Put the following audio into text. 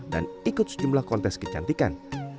dan ikut sejumlah kontes kecantikan